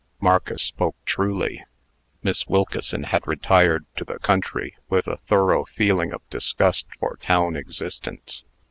Marcus spoke truly. Miss Wilkeson had retired to the country with a thorough feeling of disgust for town existence.